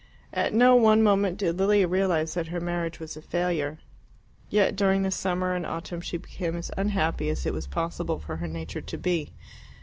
At no one moment did Lilia realize that her marriage was a failure; yet during the summer and autumn she became as unhappy as it was possible for her nature to be.